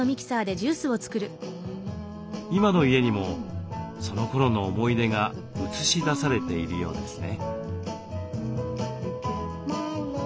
今の家にもそのころの思い出が映し出されているようですね。